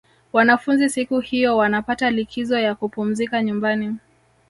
wanafunzi siku hiyo wanapata likizo ya kupumzika nyumbani